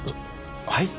はい？